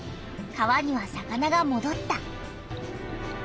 川には魚がもどった。